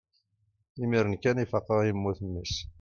imir-n kan i faqeɣ yemmut mmi-s